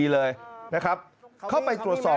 เลยนะครับเข้าไปตรวจสอบ